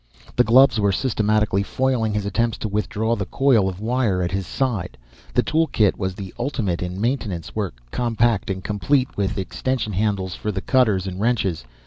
The gloves were systematically foiling his attempts to withdraw the coil of wire at his side. The tool kit was the ultimate in maintenance work, compact and complete with extension handles for the cutters and wrenches.